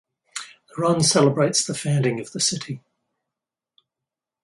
The run celebrates the founding of the city.